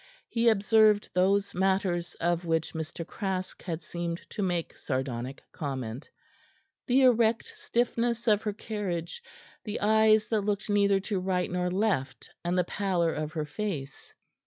He observed those matters of which Mr. Craske had seemed to make sardonic comment: the erect stiffness of her carriage, the eyes that looked neither to right nor left, and the pallor of her face.